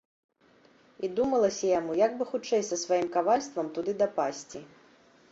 І думалася яму, як бы хутчэй са сваім кавальствам туды дапасці.